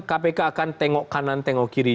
kpk akan tengok kanan tengok kiri